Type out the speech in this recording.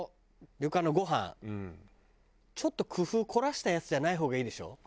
旅館のごはんちょっと工夫凝らしたやつじゃない方がいいでしょ？